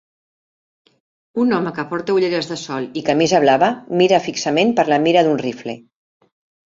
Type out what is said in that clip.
Un home que porta ulleres de sol i camisa blava mira fixament per la mira d'un rifle.